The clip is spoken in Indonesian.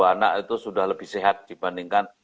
anak itu sudah lebih sehat dibandingkan